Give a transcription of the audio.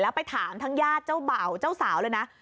แล้วไปถามทั้งญาติเจ้าเบาเจ้าสาวเลยนะ